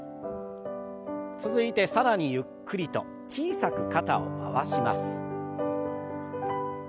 続いて更にゆっくりと小さく肩を回します。